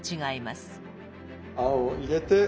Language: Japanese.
餡を入れて。